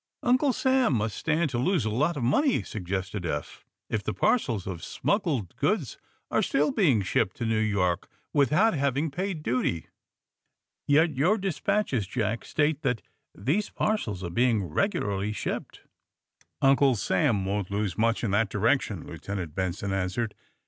''Uncle Sam must stand to lose a lot of money," suggested Eph, "if the parcels of smuggled goods are still being shipped to New York without having paid duty. Yet your de spatches, Jack, state that these parcels are being regularly shipped." "Uncle Sam won't lose much in that direc tion," Lieutenant Benson answered.